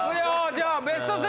じゃあベスト３！